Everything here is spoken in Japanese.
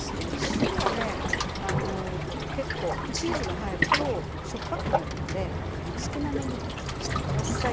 塩は結構チーズが入るとしょっぱくなるので少なめにしてください。